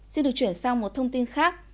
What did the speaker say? xin được chuyển sang một thông tin khác